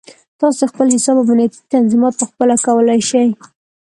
تاسو د خپل حساب امنیتي تنظیمات پخپله کولی شئ.